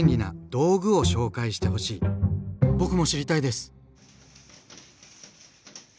僕も知りたいです！